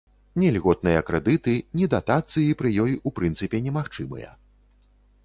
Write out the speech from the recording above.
Ні льготныя крэдыты, ні датацыі пры ёй у прынцыпе немагчымыя.